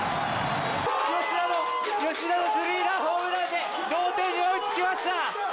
吉田のスリーランホームランで同点に追いつきました！